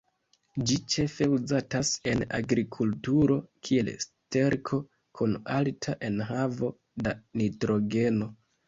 Ĝi ĉefe uzatas en agrikulturo kiel sterko kun alta enhavo da nitrogeno.